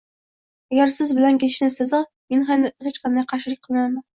Agar siz bilan ketishni istasa men hech qanday qarshilik bildirmayman